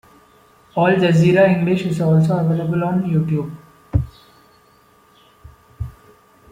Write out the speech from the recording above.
Al Jazeera English is also available on YouTube.